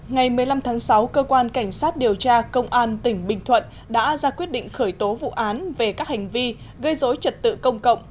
ngày một mươi năm tháng sáu cơ quan cảnh sát điều tra công an tỉnh bình thuận đã ra quyết định khởi tố vụ án về các hành vi gây dối trật tự công cộng